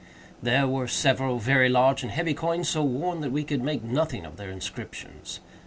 There were several very large and heavy coins, so worn that we could make nothing of their inscriptions.